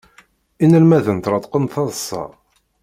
Inalmaden ṭṭreḍqen d taḍsa.